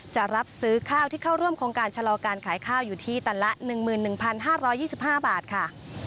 จะรับซื้อข้าวที่เข้าร่วมโครงการชะลอการขายข้าวอยู่ที่ตันละ๑๑๕๒๕บาทค่ะ